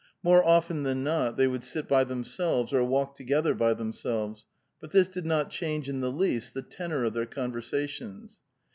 More often than not they would sit by themselves or walk together by themselves; but this did 'not change in the least the tenor of their conversations.